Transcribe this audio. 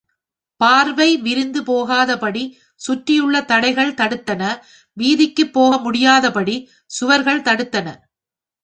பார்வை விரிந்து போகாதபடி சுற்றியுள்ள தடைகள் தடுத்தன வீதிக்குப் போகமுடியாதபடி சுவர்கள் தடுத்தன.